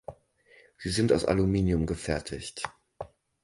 Sie sind aus Aluminium gefertigt.